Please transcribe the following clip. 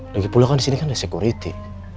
lagi pula kan disini ada security